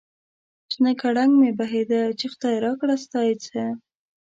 شنه گړنگ مې بهيده ، چې خداى راکړه ستا يې څه ؟